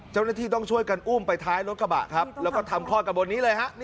เจ้านักที่ต้องช่วยกันอุ้มไปท้ายรถกระบะและทำคลอดบนนี้เลย